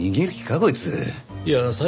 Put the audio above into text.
こいつ。